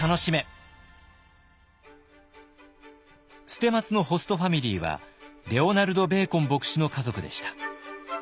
捨松のホストファミリーはレオナルド・ベーコン牧師の家族でした。